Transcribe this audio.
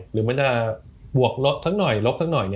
หรือมันจะบวกลบสักหน่อยลบสักหน่อย